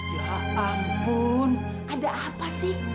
ya ampun ada apa sih